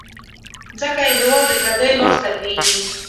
ځکه یې هیواد د پردیو لاس ته لوېږي.